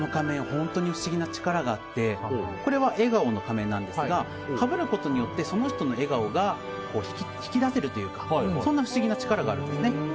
本当に不思議な力があってこれは笑顔の仮面ですがかぶることによってその人の笑顔が引き出せるという不思議な力があるんです。